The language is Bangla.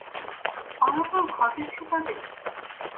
অনাদর ঘটেছে তবে?